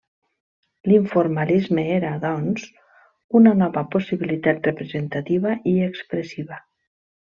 L'informalisme era, doncs, una nova possibilitat representativa i expressiva.